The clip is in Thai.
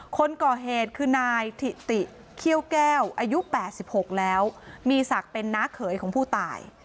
คนก่อเหตุคือนายถิติเขี้ยวแก้วอายุ๘๖แล้วมีศักดิ์เป็นน้าเขยของผู้ตาย